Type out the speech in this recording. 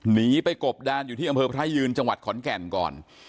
หนีไปกบดานอยู่ที่อำเภอพระยืนจังหวัดขอนแก่นก่อน